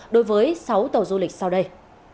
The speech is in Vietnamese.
đối với sáu tàu du lịch sau đây